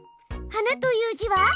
「はな」という字は。